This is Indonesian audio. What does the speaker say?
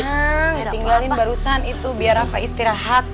yang tinggalin barusan itu biar rafa istirahat